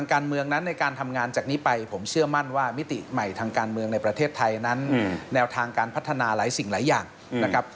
การเมืองนั้นในการทำงานจากนี้ไปผมเชื่อมั่นว่ามิติใหม่ทางการเมืองในประเทศไทยนั้นแนวทางการพัฒนาหลายสิ่งหลายอย่างนะครับ